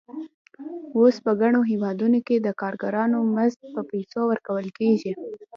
اوس په ګڼو هېوادونو کې د کارګرانو مزد په پیسو ورکول کېږي